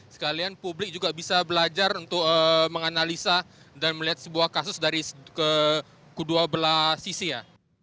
sekalian publik juga bisa belajar untuk menganalisa dan melihat sebuah kasus dari kedua belah sisi ya